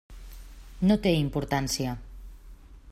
No té importància.